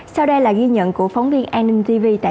sau đây là ghi nhận của phóng viên animtv tại tỉnh vĩnh lộc a